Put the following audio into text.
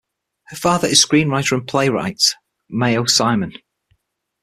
Her father is screenwriter and playwright Mayo Simon.